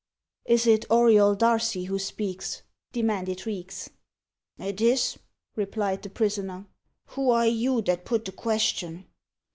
"Is it Auriol Darcy who speaks?" demanded Reeks. "It is," replied the prisoner. "Who are you that put the question?"